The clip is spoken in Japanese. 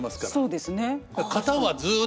そうですね。